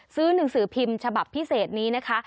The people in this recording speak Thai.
หนังสือพิมพ์ฉบับพิเศษนี้นะคะ